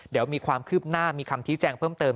เดี๋ยวมีความคืบหน้ามีคำชี้แจงเพิ่มเติม